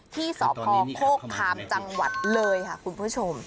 ที่สพโคกคามจังหวัดเลยค่ะคุณผู้ชม